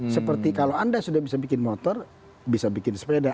seperti kalau anda sudah bisa bikin motor bisa bikin sepeda